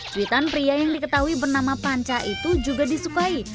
cuitan pria yang diketahui bernama panca itu juga disukai